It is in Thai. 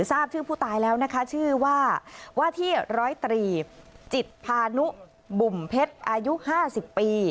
ทราบชื่อผู้ตายแล้วนะคะชื่อว่าว่าที่ร้อยตรีจิตพานุบุ่มเพชรอายุ๕๐ปี